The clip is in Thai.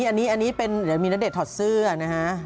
อันนี้เป็นเดี๋ยวมีณเดชนถอดเสื้อนะฮะ